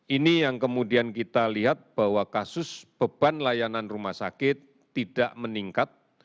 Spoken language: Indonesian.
ini yang kemudian kita lihat bahwa kasus beban layanan rumah sakit tidak meningkat